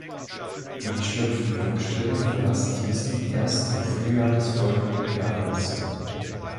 Die geschlüpften Jungspinnen verlassen diesen erst im Frühjahr des folgenden Jahres.